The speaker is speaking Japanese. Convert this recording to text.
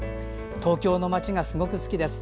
東京の街がすごく好きです。